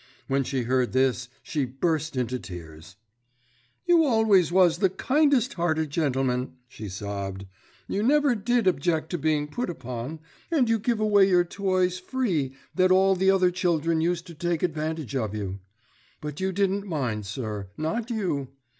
When she heard this she burst into tears. "You always was the kindest hearted gentleman!" she sobbed. "You never did object to being put upon, and you give away your toys that free that all the other children used to take advantage of you. But you didn't mind, sir, not you.